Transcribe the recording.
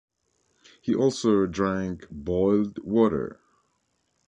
He also drank boiled water.